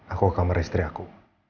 aku kamar istri aku